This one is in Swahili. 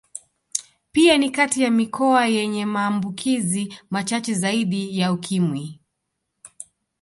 Pia ni kati ya mikoa yenye maambukizi machache zaidi ya Ukimwi